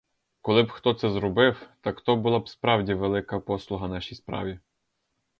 Коли б хто це зробив, так то була б справді велика послуга нашій справі.